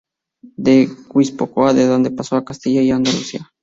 De Guipúzcoa, de donde pasó a Castilla y Andalucía.